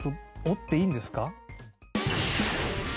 折っていいんですか？